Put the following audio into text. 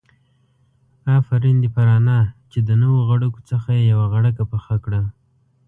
آفرين دي پر انا چې د نو غړکو څخه يې يوه غړکه پخه کړه.